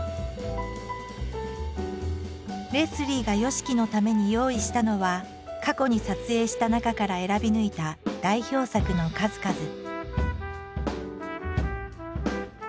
レスリーがＹＯＳＨＩＫＩのために用意したのは過去に撮影した中から選び抜いた代表作の数々。